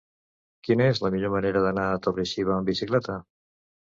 Quina és la millor manera d'anar a Torre-xiva amb bicicleta?